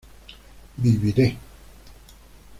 viviré